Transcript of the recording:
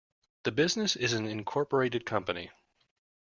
The business is an incorporated company.